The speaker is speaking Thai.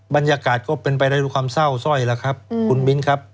บรรยากาศก็เป็นไปด้วยความเศร้าซ่อยครับคุณมินครับ